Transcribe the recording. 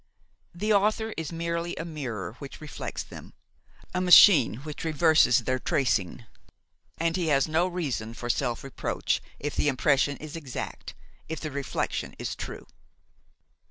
The author is merely a mirror which reflects them, a machine which reverses their tracing, and he has no reason for self reproach if the impression is exact, if the reflection is true.